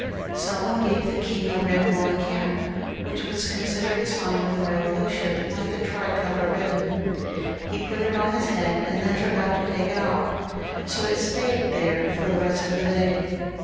Some one gave the king a red woollen cap, which was con sidered a sign of the Eevolution like the tricolor ribbon. He put it on his head, and then forgot to take it off, so that it stayed there for the rest of the day.